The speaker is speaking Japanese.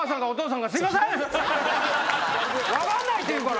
「分かんない」って言うから。